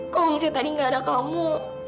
kalo misalnya tadi gak ada kamu